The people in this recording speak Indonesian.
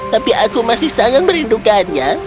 tapi aku masih sangat merindukannya